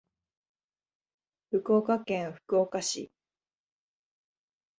福岡県福岡市